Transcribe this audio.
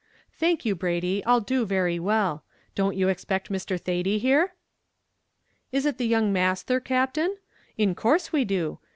"Thank you, Brady, I'll do very well; don't you expect Mr. Thady here?" "Is it the young masthur, Captain? In course we do.